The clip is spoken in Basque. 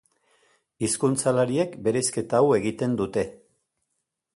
Hizkuntzalariek bereizketa hau egiten dute.